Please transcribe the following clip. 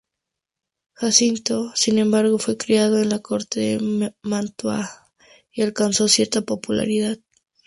Giacinto, sin embargo, fue criado en la corte de Mantua y alcanzó cierta popularidad.